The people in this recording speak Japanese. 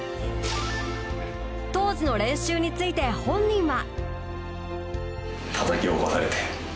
当時の練習について本人は。